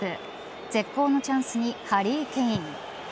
絶好のチャンスにハリー・ケイン。